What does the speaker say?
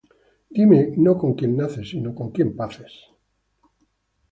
Dime no con quien naces, sino con quien paces.